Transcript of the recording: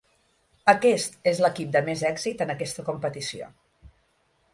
Aquest és l'equip de més èxit en aquesta competició.